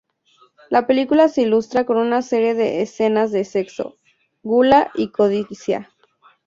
La película se ilustra con una serie de escenas de sexo, gula y codicia.